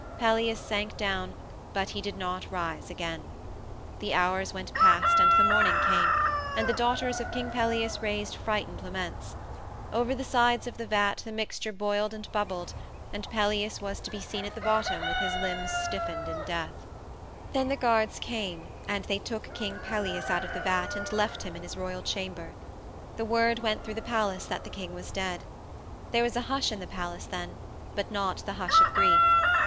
Pelias sank down, but he did not rise again. The hours went past and the morning came, and the daughters of King Pelias raised frightened laments. Over the sides of the vat the mixture boiled and bubbled, and Pelias was to be seen at the bottom with his limbs stiffened in death. Then the guards came, and they took King Pelias out of the vat and left him in his royal chamber. The word went through the palace that the king was dead. There was a hush in the palace then, but not the hush of grief.